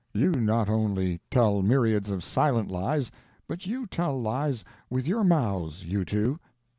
"You not only tell myriads of silent lies, but you tell lies with your mouths you two."